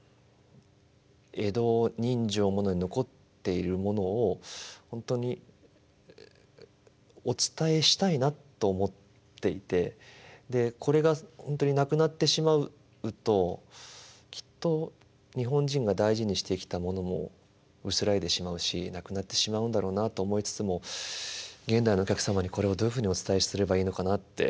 江戸人情物に残っているものを本当にお伝えしたいなと思っていてでこれが本当になくなってしまうときっと日本人が大事にしてきたものも薄らいでしまうしなくなってしまうんだろうなと思いつつも現代のお客様にこれをどういうふうにお伝えすればいいのかなって。